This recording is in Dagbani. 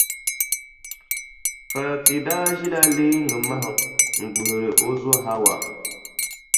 Fati daa ʒila leeŋa mahim n-guhiri o zo Hawa.